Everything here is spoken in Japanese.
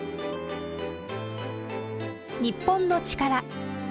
『日本のチカラ』